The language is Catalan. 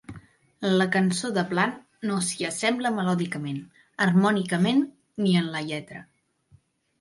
La cançó de Bland no s'hi assembla melòdicament, harmònicament ni en la lletra.